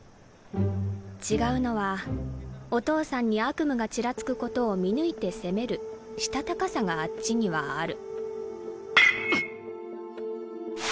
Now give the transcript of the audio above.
違うのはお父さんに悪夢がチラつくことを見抜いて攻める強かさがあっちにはある。